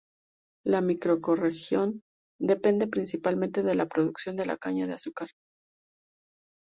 La microrregión depende principalmente de la producción de la caña de azúcar.